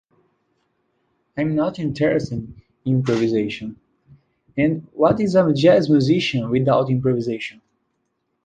I'm not interested in improvisation - and what is a jazz musician without improvisation?